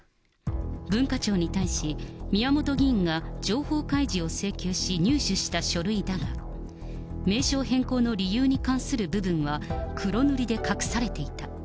文化庁に対し、宮本議員が情報開示を請求し、入手した書類だが、名称変更の理由に関する部分は黒塗りで隠されていた。